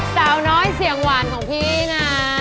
เสาหน้าเตี๋ยวเร็วสะดวกของพี่นะ